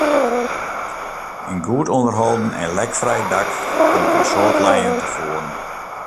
In goed ûnderholden en lekfrij dak komt in soad lijen tefoaren.